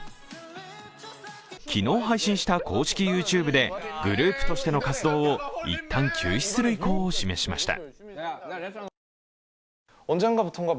昨日配信した公式ＹｏｕＴｕｂｅでグループとしての活動を一旦休止する意向を示しました。